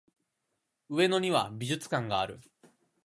上野には美術館がある